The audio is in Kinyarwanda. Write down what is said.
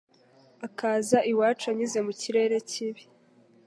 akaza iwacu anyuze mu kirere kibi